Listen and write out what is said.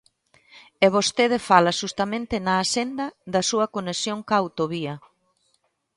E vostede fala xustamente na Axenda da súa conexión coa autovía.